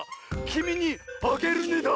「きみにあげるね」だ！